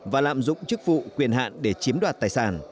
và lạm dụng chức vụ quyền hạn để chiếm đoạt tài sản